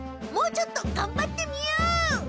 もうちょっとがんばってみよう！